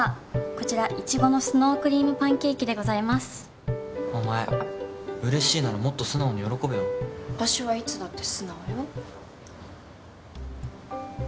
こちら苺のスノークリームパンケーキでございますお前嬉しいならもっと素直に喜べよ私はいつだって素直よ